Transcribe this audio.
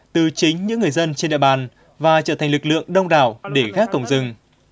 từ chính những người dân trên địa bàn và trở thành lực lượng đông đảo để gác cổng rừng